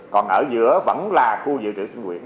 còn ở giữa vẫn là khu dự trữ sinh quyện